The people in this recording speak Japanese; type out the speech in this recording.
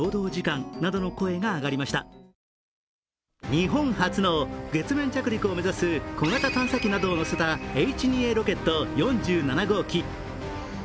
日本初の月面着陸を目指す小型探査機などを載せたＨ２Ａロケット４７号機。